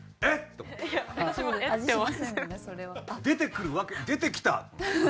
出てくるわけ出てきた！